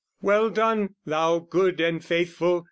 "Well done, thou good and faithful!"